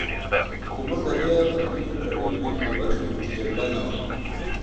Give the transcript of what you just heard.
خو موږ له دې غرنیو لړیو نه بې برخې وو، چې جګړه نه وه.